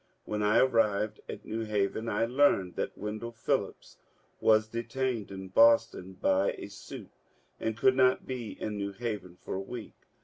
When I arrived at New Haven I learned that Wendell Phil lips was detained in Boston by a suit and could not be in New Haven for a week.